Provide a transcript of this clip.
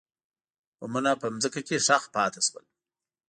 بمونه په ځمکه کې ښخ پاتې شول.